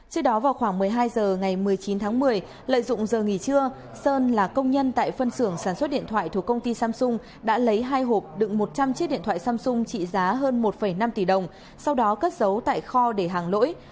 trước đó vào khoảng một mươi hai h ngày một mươi chín tháng một mươi lợi dụng giờ nghỉ trưa sơn là công nhân tại phân xưởng sản xuất điện thoại thuộc công ty samsung đã lấy hai hộp đựng một trăm linh chiếc điện thoại samsung trị giá hơn một năm tỷ đồng sau đó cất giấu tại kho để hàng lỗi